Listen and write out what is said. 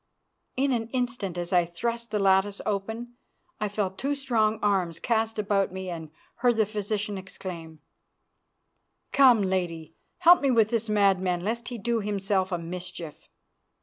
In an instant, as I thrust the lattice open, I felt two strong arms cast about me and heard the physician exclaim, "Come, Lady, help me with this madman, lest he do himself a mischief."